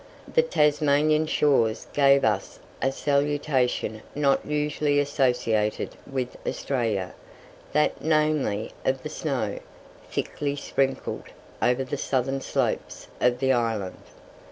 The Tasmanian shores gave us a salutation not usually associated with Australia, that, namely, of the snow, thickly sprinkled over the southern slopes of the island.